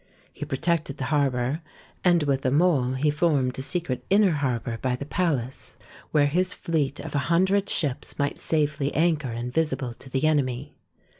He pro tected the harbour, and with a mole he formed a secret inner harbour by the palace where his fleet of a hundred ships might safely anchor in visible to the enemy.